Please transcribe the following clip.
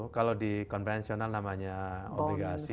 kalau di konvensional namanya obligasi